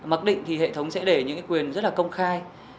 mặc định thì hệ thống sẽ để những quyền rất là công khai